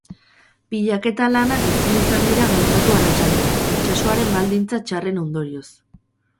Bilaketa lanak ezin izan dira gauzatu arratsaldean, itsasoaren baldintza txarren ondorioz.